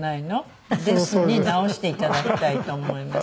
「です」に直していただきたいと思います。